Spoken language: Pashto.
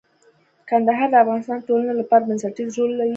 کندهار د افغانستان د ټولنې لپاره بنسټيز رول لري.